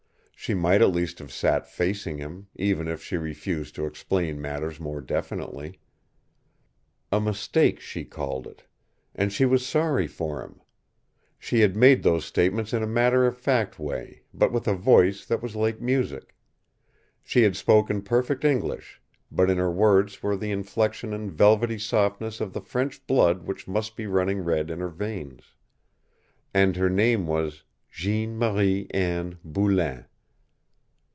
She might at least have sat facing him, even if she refused to explain matters more definitely. A mistake, she called it. And she was sorry for him! She had made those statements in a matter of fact way, but with a voice that was like music. She had spoken perfect English, but in her words were the inflection and velvety softness of the French blood which must be running red in her veins. And her name was Jeanne Marie Anne Boulain!